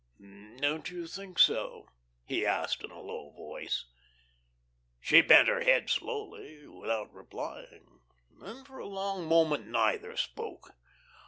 "Don't you think so?" he asked, in a low voice. She bent her head slowly, without replying. Then for a long moment neither spoke.